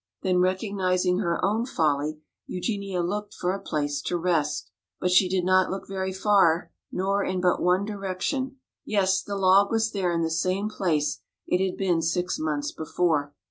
Then recognizing her own folly, Eugenia looked for a place to rest. But she did not look very far nor in but one direction. Yes, the log was there in the same place it had been six months before.